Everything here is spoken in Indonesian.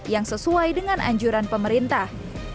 yang sesuai dengan anjuran pemerintah